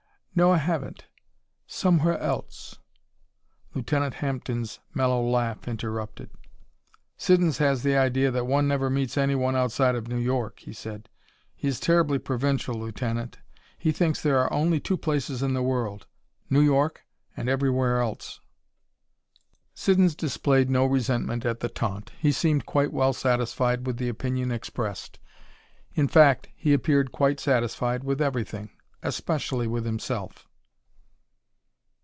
"No, I haven't. Somewhere else " Lieutenant Hampden's mellow laugh interrupted. "Siddons has the idea that one never meets anyone outside of New York," he said. "He's terribly provincial, Lieutenant. He thinks there are only two places in the world New York and everywhere else." Siddons displayed no resentment at the taunt; he seemed quite well satisfied with the opinion expressed. In fact, he appeared quite satisfied with everything especially with himself.